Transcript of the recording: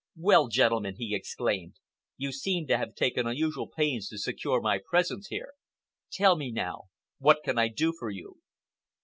"Well, gentlemen," he exclaimed, "you seem to have taken unusual pains to secure my presence here! Tell me now, what can I do for you?"